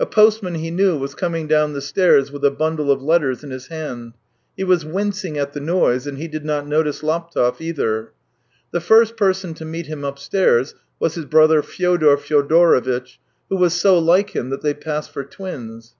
A postman he knew was coming down the stairs with a bundle of letters in his hand; he was wincing at the noise, and he did not notice Laptev either. The first person to meet him upstairs was his brother Fyodor Fyodorovitch, who was so like him that they passed for twins.